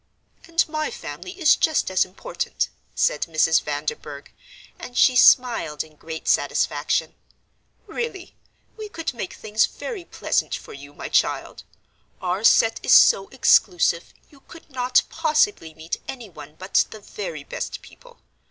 "And my family is just as important," said Mrs. Vanderburgh, and she smiled in great satisfaction. "Really, we could make things very pleasant for you, my child; our set is so exclusive, you could not possibly meet any one but the very best people.